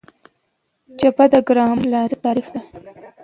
څپه د ګرامر لحاظه تعریف ده.